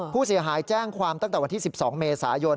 ผู้เสียหายแจ้งความตั้งแต่วันที่๑๒เมษายน